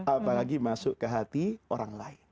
apalagi masuk ke hati orang lain